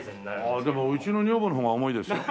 でもうちの女房のほうが重いですよ。